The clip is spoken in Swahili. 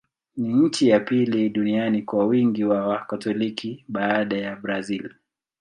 Ni nchi ya pili duniani kwa wingi wa Wakatoliki, baada ya Brazil.